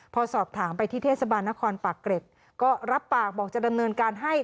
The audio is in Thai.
พอสอบถามไปที่เทศบาลนครปากเกร็ดก็รับปากบอกจะดำเนินการให้